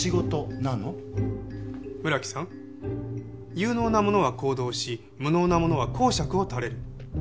有能な者は行動し無能な者は講釈を垂れる。